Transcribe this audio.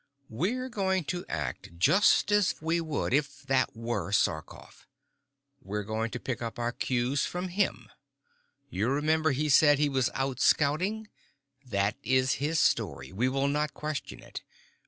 "We're going to act just as we would if that were Sarkoff. We're going to pick up our cues from him? You remember he said he was out scouting. That is his story. We will not question it.